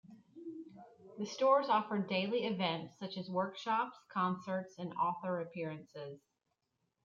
The stores offered daily events such as workshops, concerts, and author appearances.